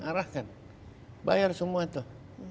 arahkan bayar semua tuh